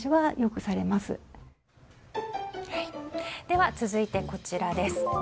では、続いてこちらです。